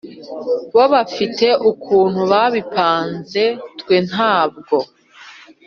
bo bafite ukuntu babipanze twe ntabwo